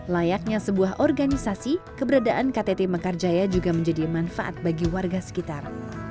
layaknya sebuah organisasi keberadaan ktt mekarjaya juga menjadi manfaat bagi warga sekitar